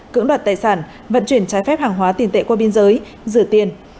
cưỡng đoạt tài sản vận chuyển trái phép hàng hóa tiền tệ qua biên giới rửa tiền